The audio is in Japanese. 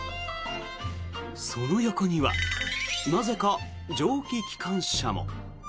その横にはなぜか蒸気機関車も。